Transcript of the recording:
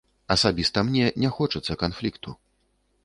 Асабіста мне не хочацца канфлікту.